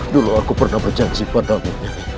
dulu aku pernah berjanji padamu